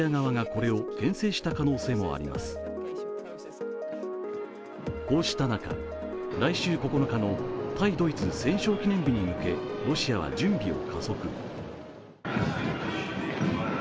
こうした中、来週９日の対ドイツ戦勝記念日に向けロシアは準備を加速。